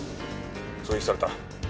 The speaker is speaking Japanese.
狙撃された。